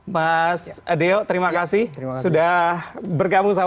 mas deo terima kasih sudah bergabung sama kami